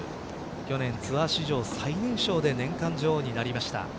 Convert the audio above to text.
去年、ツアー史上最年少で年間女王になりました。